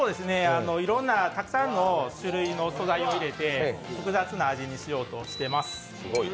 いろんなたくさんの種類の素材を入れて複雑な味にしようとしてます。